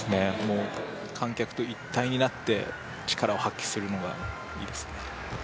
観客と一体になって力を発揮するのがいいですね。